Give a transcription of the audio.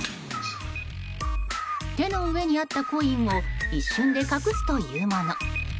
手の上にあったコインを一瞬で隠すというもの。